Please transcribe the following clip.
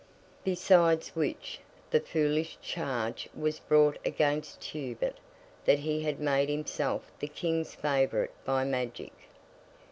Besides which, the foolish charge was brought against Hubert that he had made himself the King's favourite by magic.